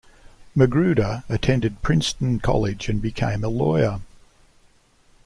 Magruder attended Princeton College and became a lawyer.